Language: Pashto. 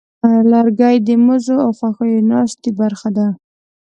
لرګی د مزو او خوښیو ناستې برخه ده.